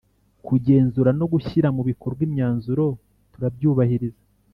kugenzura no gushyira mu bikorwa imyanzuro turabyubahiriza